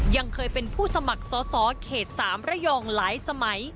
ยังเคยเป็นผู้สมัครสอสอเขต๓ระยองหลายสมัย